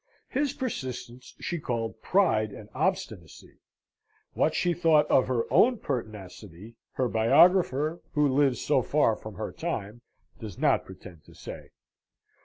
His persistence she called pride and obstinacy. What she thought of her own pertinacity, her biographer, who lives so far from her time, does not pretend to say.